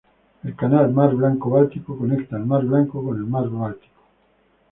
El canal Mar Blanco-Báltico conecta el mar Blanco con el mar Báltico.